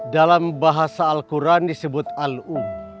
dalam bahasa al quran disebut al um